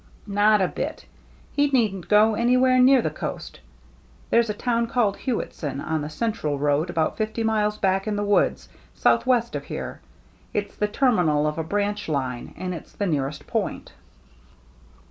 " Not a bit. He needn't go anywhere near the coast. There's a town called Hewittson, on the Central Road, about fifty miles back in the woods, southwest of here. It's the termi nal of a branch line, and it's the nearest point."